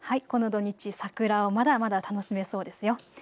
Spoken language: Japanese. この土日、桜をまだまだ楽しめそうですよ。